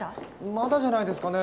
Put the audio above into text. まだじゃないですかね？